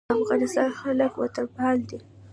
د افغانستان خلک وطنپال دي